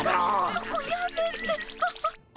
そこやめて。